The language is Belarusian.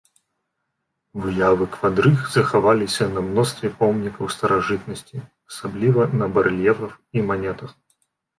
Выявы квадрыг захаваліся на мностве помнікаў старажытнасці, асабліва на барэльефах і манетах.